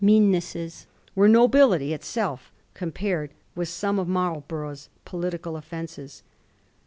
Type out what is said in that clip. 29 meannesses were nobility itself compared with some of Marlborough's political oflfences.